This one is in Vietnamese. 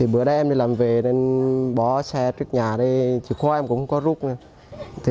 bữa đêm em đi làm về nên bỏ xe trước nhà chìa khóa em cũng không có rút